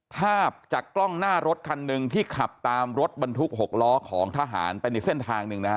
ภาพจากกล้องหน้ารถคันหนึ่งที่ขับตามรถบรรทุก๖ล้อของทหารไปในเส้นทางหนึ่งนะฮะ